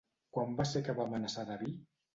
Quan va ser que vam anar a Sedaví?